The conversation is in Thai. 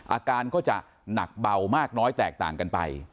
อาการก็จะหนักเบามากน้อยแตกต่างกันไป